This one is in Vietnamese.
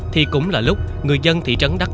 thì cũng là lúc người dân thị trấn đắk